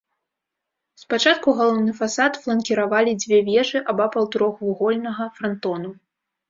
Спачатку галоўны фасад фланкіравалі две вежы абапал трохвугольнага франтону.